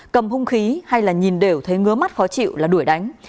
cầm hung khí hay là nhìn đều thấy ngứa mắt khó chịu là đuổi đánh